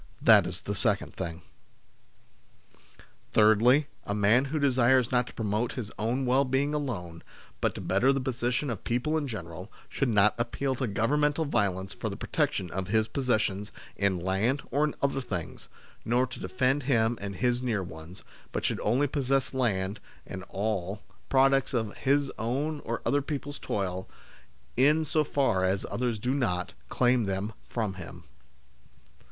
That is the second thing. Thirdly, a man who desires not to promote his own well being alone, but to better the position of people in general, should not appeal to Govern mental violence for the protection of his possessions in land or in other things, nor to defend him and his near ones ; but should only possess land and all WHAT SHOULD EACH MAN DO? 119 products of Ms own or other people's toil, in so far as others do not, claim them from him.